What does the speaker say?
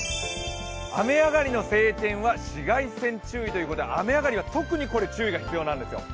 雨上がりの晴天は紫外線注意ということで雨上がりは特に注意が必要なんですよ。